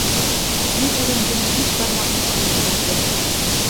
Мин үҙемдең биш бармағым кеүек белдем